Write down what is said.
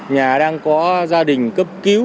nhà đang có gia đình cấp cứu